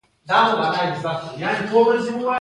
هنرمندان کوم هنر ښيي؟